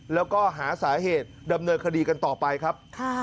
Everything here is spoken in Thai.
แล้วก็หาสาเหตุดำเนินคดีกันต่อไปครับ